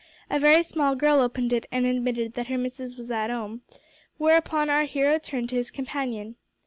A very small girl opened it and admitted that her missis was at 'ome; whereupon our hero turned to his companion.